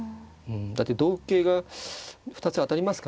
だって同桂が２つ当たりますからね。